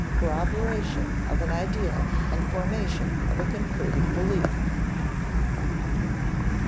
Corroboration of an idea and formation of a concluding belief] 5.